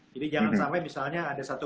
jadi jangan sampai misalnya ada satu